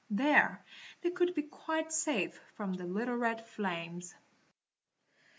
There they would be quite safe from the little red flames.